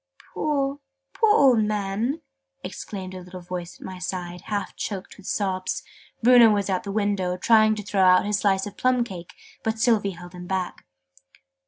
"Poor, poor old man!" exclaimed a little voice at my side, half choked with sobs. Bruno was at the window, trying to throw out his slice of plum cake, but Sylvie held him back.